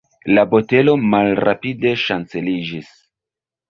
La botelo malrapide ŝanceliĝis.